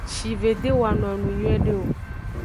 Shive de wano enu nyuide o.